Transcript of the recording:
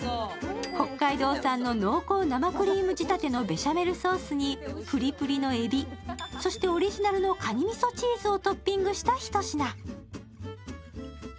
北海道産の濃厚生クリーム仕立てのベシャメルソースにそしてオリジナルのかにみそチーズをトッピングしたひと品。